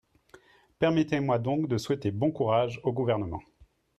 Permettez-moi donc de souhaiter bon courage au Gouvernement.